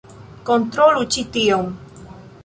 Kontrolu ĉi tion!